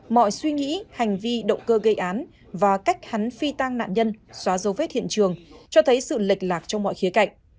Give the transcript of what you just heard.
mọi suy nghĩ hành vi động cơ gây án và cách hắn phi tang nạn nhân xóa dấu vết hiện trường cho thấy sự lệch lạc trong mọi khía cạnh